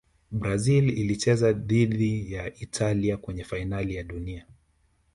brazil ilicheza dhidi ya italia kwenye fainali ya dunia